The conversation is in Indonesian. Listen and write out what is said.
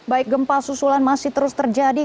baik gempa susulan masih terus terjadi